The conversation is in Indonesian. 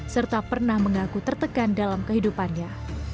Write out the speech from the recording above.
serta pernah mengaku tertekan dalam kehidupannya